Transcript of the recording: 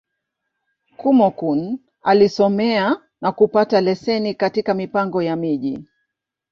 Kúmókụn alisomea, na kupata leseni katika Mipango ya Miji.